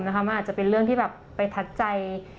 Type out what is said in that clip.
มันอาจจะเป็นเรื่องที่แบบไปทัดใจ